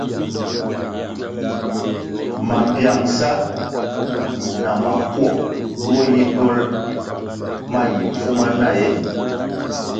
Mambpiangsa na mapuo duo yi dol ma yi mfumana ee ?